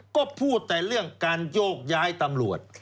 ก็พูดแต่เรื่องการโยกย้ายตำรวจ